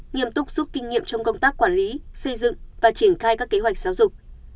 nghiêm túc rút kinh nghiệm trong công tác quản lý xây dựng và triển khai các kế hoạch giáo dục